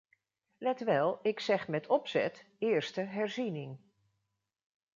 Let wel, ik zeg met opzet “eerste herziening”.